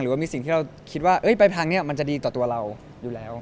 ว่ามีสิ่งที่เราคิดว่าไปทางนี้มันจะดีต่อตัวเราอยู่แล้ว